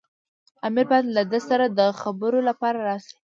امیر باید له ده سره د خبرو لپاره راشي.